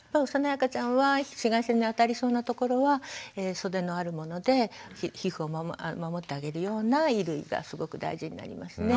赤ちゃんは紫外線に当たりそうなところは袖のあるもので皮膚を守ってあげるような衣類がすごく大事になりますね。